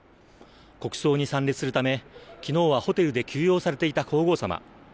国葬に参列するため昨日はホテルで休養されていた皇后さま。